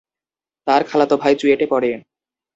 তার খালাতো ভাই চুয়েটে পড়ে।